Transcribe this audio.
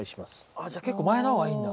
あじゃあ結構前の方がいいんだ。